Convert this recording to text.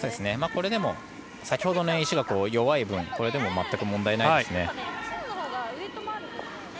でも先ほどの石が弱い分これでも全く問題ないですね。